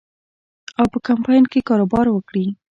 او په کمپاین کې کاروبار وکړي.